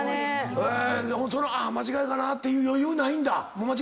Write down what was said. あっ間違いかなっていう余裕ないんだ。